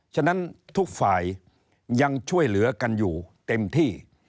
ฉะนั้นทุกฝ่ายยังช่วยเหลือกันอยู่เต็มที่